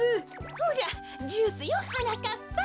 ほらジュースよはなかっぱ。